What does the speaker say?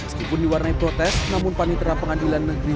meskipun diwarnai protes namun panitera pengadilan negeri